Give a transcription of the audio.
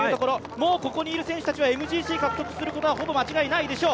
もうここにいる選手たちはＭＧＣ獲得するのは間違いないでしょう。